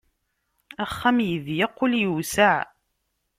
Axxam iḍyeq, ul iwseɛ.